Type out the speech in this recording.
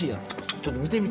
ちょっと見て見て！